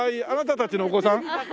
あなたたちのお子さん？